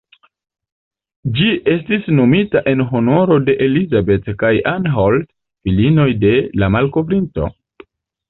Ĝi estis nomita en honoro de "Elizabeth" kaj "Ann Holt", filinoj de la malkovrinto.